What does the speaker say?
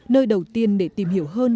nơi đầu tiên để tìm hiểu hơn